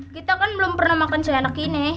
kita kan belum pernah makan seenak ini